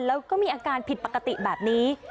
แล้วก็มีอาการผิดปกติแบบนี้